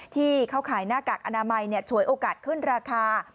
ที่เขาขายหน้ากากอนามัยฉวยโอกาสขึ้นราคา